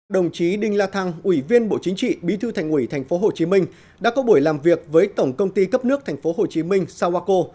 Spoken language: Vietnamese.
đồng chí đinh la thăng ủy viên bộ chính trị bí thư thành ủy tp hcm đã có buổi làm việc với tổng công ty cấp nước tp hcm sawako